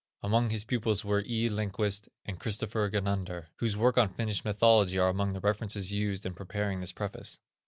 Among his pupils were E. Lenquist, and Chr. Ganander, whose works on Finnish mythology are among the references used in preparing this preface.